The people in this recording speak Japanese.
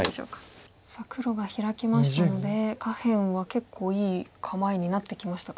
さあ黒がヒラきましたので下辺は結構いい構えになってきましたか？